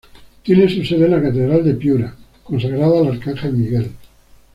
Tiene su sede en la catedral de Piura, consagrada al arcángel Miguel.